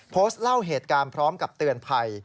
โพสต์เล่าเหตุการณ์พร้อมกับเตือนภัย